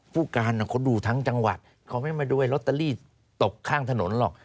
ผู้การเขาดูทั้งจังหวัดเขาไม่มาดูลอตเตอรี่ตกข้างถนนหรอก